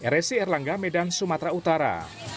resi erlangga medan sumatera utara